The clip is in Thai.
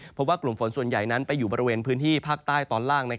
เพราะว่ากลุ่มฝนส่วนใหญ่นั้นไปอยู่บริเวณพื้นที่ภาคใต้ตอนล่าง